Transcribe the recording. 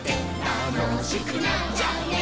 「たのしくなっちゃうね」